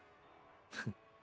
フッ。